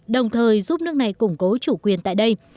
đồng thời giúp nước này củng cố chủ quyền tại đây